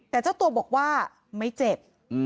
แต่เจ้าตัวบอกว่าไม่เจ็บ